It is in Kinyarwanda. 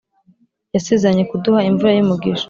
Yasezeranye kuduha, Imvura y’ umugisha,